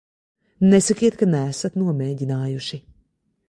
Nesakiet, ka neesat nomēģinājuši.